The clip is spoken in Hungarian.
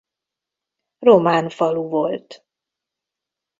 Román falu volt.